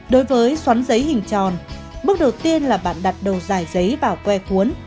đối với xoắn giấy hình tròn bước đầu tiên là bạn đặt đầu giải giấy vào que cuốn